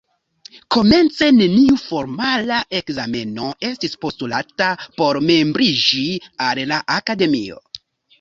Komence neniu formala ekzameno estis postulata por membriĝi al la Akademio.